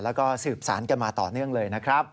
แล้วก็สืบสารกันมาต่อเนื่องเลยนะครับ